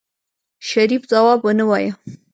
شريف ځواب ونه وايه.